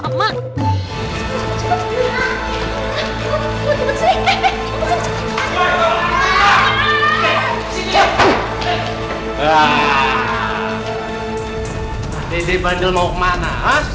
dede bandel mau kemana